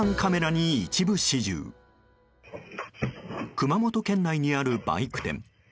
熊本県内にあるバイク店。